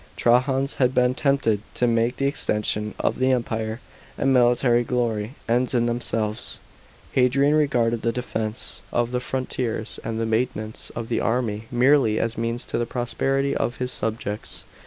Trajan had been tempted to make the extension of the Empire, and military glory, ends in themselves; Hadrian regarded the defence of the frontiers and the maintenance of the army merely as means to the prosperity of his subjects.